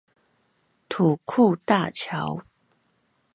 土庫大橋